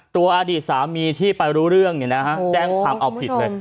อดีตสามีที่ไปรู้เรื่องแจ้งความเอาผิดเลย